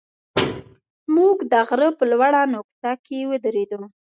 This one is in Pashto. موږ د غره په لوړه نقطه کې ودرېدو.